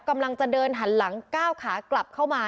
กำลังจะเดินหันหลังก้าวขากลับเข้ามา